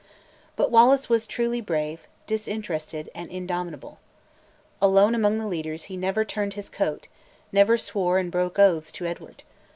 But Wallace was truly brave, disinterested, and indomitable. Alone among the leaders he never turned his coat, never swore and broke oaths to Edward.